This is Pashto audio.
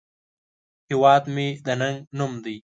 هیواد مې د ننگ نوم دی